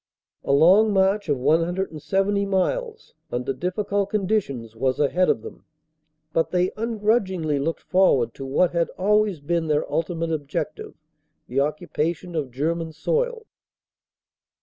"A long march of 170 miles under difficult conditions was ahead of them, but they ungrudgingly looked forward to what had always been their ultimate objective the occupation of German soil.